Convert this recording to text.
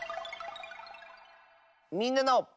「みんなの」。